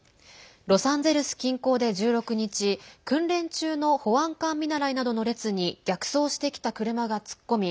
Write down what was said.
ロサンゼルス近郊で１６日訓練中の保安官見習などの列に逆走してきた車が突っ込み